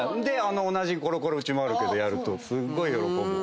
同じコロコロうちもあるけどやるとすっごい喜ぶ。